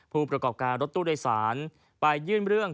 ผู้ประกอบการรถตู้โดยสารไปยื่นเรื่อง